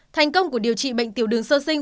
thành công của điều trị bệnh tiểu đường sơ sinh